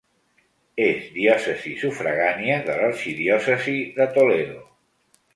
És diòcesi sufragània de l'Arxidiòcesi de Toledo.